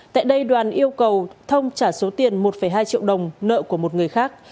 tại đây đoàn yêu cầu thông trả số tiền một hai triệu đồng nợ của một người khác